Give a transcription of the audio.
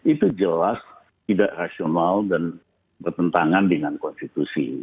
itu jelas tidak rasional dan bertentangan dengan konstitusi